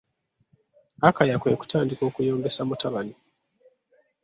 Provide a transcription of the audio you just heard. Akaya kwe kutandika okuyombesa mutabani.